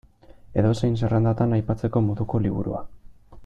Edozein zerrendatan aipatzeko moduko liburua.